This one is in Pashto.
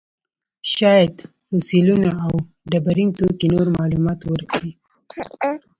شاید فسیلونه او ډبرین توکي نور معلومات ورکړي.